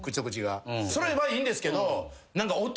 それはいいんですけど。